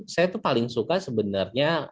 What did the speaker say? saya paling suka sebenarnya